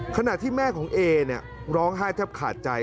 ขณะที่แม่ของเอลเนี่ยร้องไห้เท่าขาดใจ